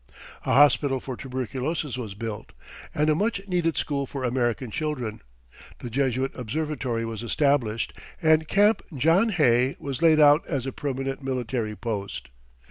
A hospital for tuberculosis was built, and a much needed school for American children, the Jesuit observatory was established, and Camp John Hay was laid out as a permanent military post.